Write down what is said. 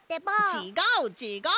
ちがうちがう！